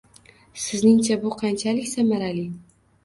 Sizningcha, bu qanchalik samarali?